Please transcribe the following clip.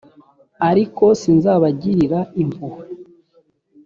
ariko sinzabagirira impuhwe